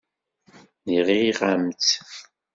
Nɣiɣ-am-tt.